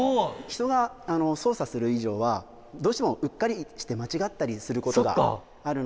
人が操作する以上はどうしてもうっかりして間違ったりすることがあるので。